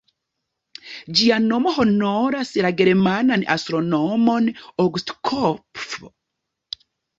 Ĝia nomo honoras la germanan astronomon August Kopff.